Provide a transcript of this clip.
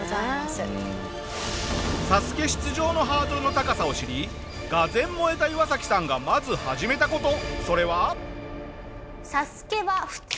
『ＳＡＳＵＫＥ』出場のハードルの高さを知り俄然燃えたイワサキさんがまず始めた事それは。